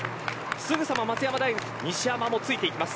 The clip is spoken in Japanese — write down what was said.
すぐさま松山の西山もついていきます。